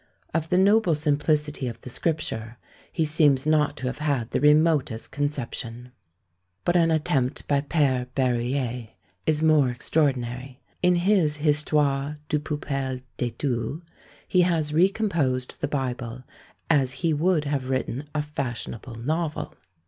Of the noble simplicity of the Scripture he seems not to have had the remotest conception. But an attempt by PÃẀre Berruyer is more extraordinary; in his Histoire du Peuple de Dieu, he has recomposed the Bible as he would have written a fashionable novel.